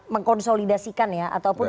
mengkonsolidasikan ya ataupun